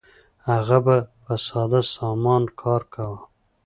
هغه به په ساده سامان کار کاوه.